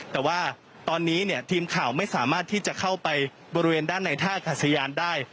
แต่ว่าตอนนี้เนี่ยทีมข่าวไม่สามารถที่จะเข้าไปบริเวณด้านในท่ากาศยานได้